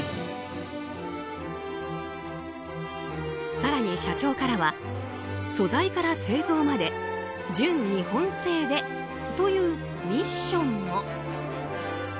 更に、社長からは素材から製造まで純日本製でというミッションも。